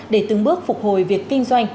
để từng bước phục hồi việc kinh doanh